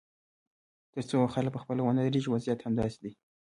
تر څو خلک پخپله ونه درېږي، وضعیت همداسې دی.